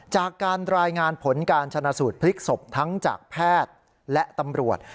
จากการรายงานผลการชนะสูตรพลิกศพทั้งจากแพทย์และตำรวจ